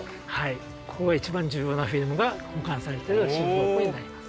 ここが一番重要なフィルムが保管されてる収蔵庫になります。